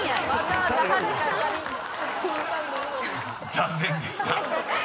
［残念でした］